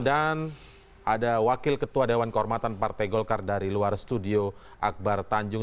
ada wakil ketua dewan kehormatan partai golkar dari luar studio akbar tanjung